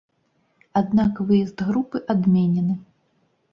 Аднак выезд групы адменены.